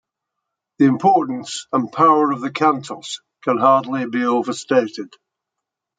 The importance and power of the Cantos can hardly be overstated.